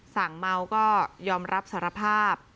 สั่งเมาก็ยอมรับสารภาพ